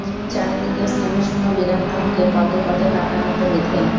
চারি দিকের স্নেহশূন্য বিরাগ তাহাকে পদে পদে কাঁটার মতো বিঁধে।